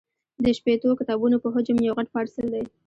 د شپېتو کتابونو په حجم یو غټ پارسل دی.